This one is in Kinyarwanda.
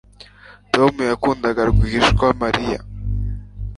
Tom yakundaga rwihishwa Mariya